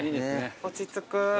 落ち着く。